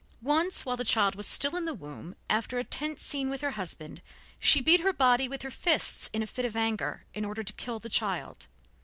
Once, while the child was still in the womb, and after a tense scene with her husband, she beat her body with her fists in a fit of anger, in order to kill the child.